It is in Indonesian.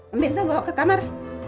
ambil saya bawa ke kamar